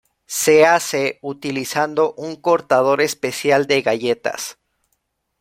Se hace utilizando un cortador especial de galletas.